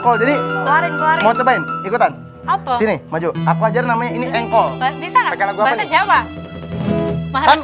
hari hari itu engkol jadi mau cobain ikutan apa sini maju aku ajar namanya ini engkol